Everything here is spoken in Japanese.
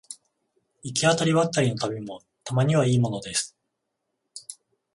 行き当たりばったりの旅もたまにはいいものです